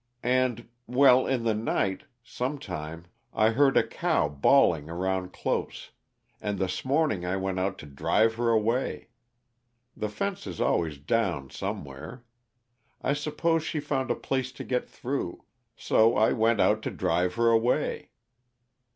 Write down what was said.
And well, in the night, some time, I heard a cow bawling around close, and this morning I went out to drive her away; the fence is always down somewhere I suppose she found a place to get through. So I went out to drive her away."